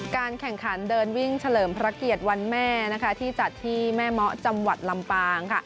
การแข่งขันเดินวิ่งเฉลิมพระเกียรติวันแม่ที่จัดที่แม่เมาะจังหวัดลำปาง